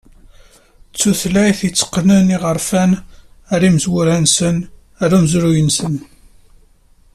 D tuylayt ay itteqqnen iɣerfan ɣer yimezwura-nsen, ɣer umezruy-nsen.